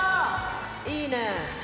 いいね！